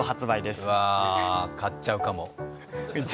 買っちゃうかも。